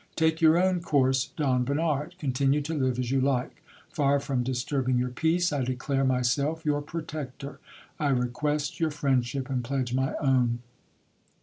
Take your own course, Don Bernard : continue to live as you like. Far from disturbing your peace, I declare myself your protector ; I request your friend ship, and pledge my own.